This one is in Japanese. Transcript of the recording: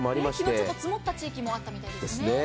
昨日、積もった地域もあったみたいですね。